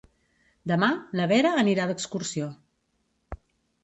Demà na Vera anirà d'excursió.